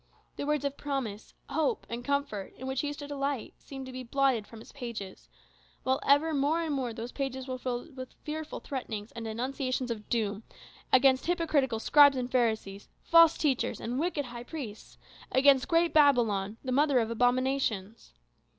The words of promise, and hope, and comfort, in which he used to delight, seemed to be blotted from its pages; while ever more and more those pages were filled with fearful threatenings and denunciations of doom against hypocritical scribes and Pharisees, false teachers and wicked high priests against great Babylon, the mother of abominations.